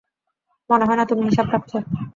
মনে হয় না তুমি হিসাব রাখছো।